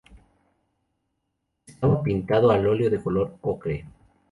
Estaba pintado al óleo de color ocre.